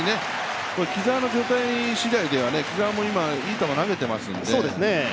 木澤の状態次第では、木澤も今、いい球投げてますのでね